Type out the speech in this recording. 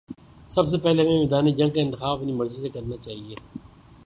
سب سے پہلے ہمیں میدان جنگ کا انتخاب اپنی مرضی سے کرنا چاہیے۔